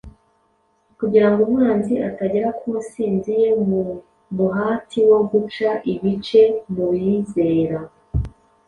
kugira ngo umwanzi atagera ku nsinzi ye mu muhati wo guca ibice mu bizera.